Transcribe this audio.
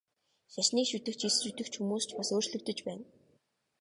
Шашныг шүтэгч, эс шүтэгч хүмүүс ч бас өөрчлөгдөж байна.